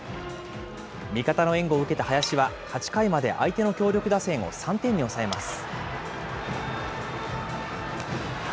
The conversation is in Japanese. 味方の援護を受けた林は、８回まで相手の強力打線を３点に抑えます。